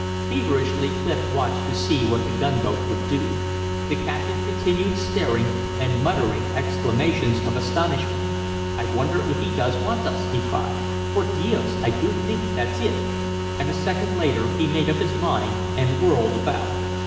Feverishly Clif watched to see what the gunboat would do. The captain continued staring and muttering exclamations of astonishment. "I wonder if he does want us," he cried. "Por dios, I do think that's it." And a second later he made up his mind and whirled about.